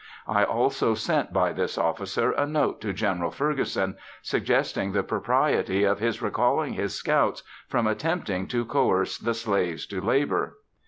I also sent by this officer a note to General Ferguson, suggesting the propriety of his recalling his scouts from attempting to coerce the slaves to labor.